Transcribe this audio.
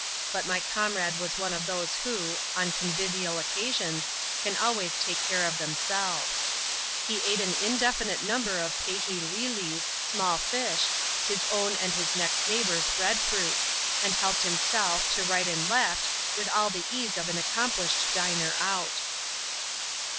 But my comrade was one of those, who, on convivial occasions, can always take care of themselves. He ate an indefinite number of " Pehee Lee Lees (small fish), his own and next neighbour s bread fruit ; and helped himself, to right and left, with all the ease of an accomplished diner out.